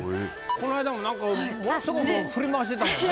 こないだもなんかものすごい振り回してたもんね。